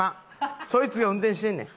そいつが運転してんねん。